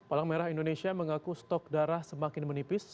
palang merah indonesia mengaku stok darah semakin menipis